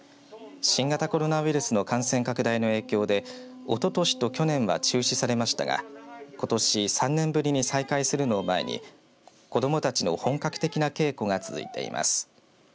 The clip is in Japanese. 新型コロナウイルスの感染拡大の影響でおととしと去年は中止されましたがことし、３年ぶりに再開するのを前に子どもたちの本格的な稽古が続いています。